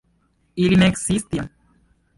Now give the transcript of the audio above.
Ili ne sciis tion.